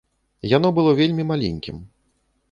Яно было вельмі маленькім.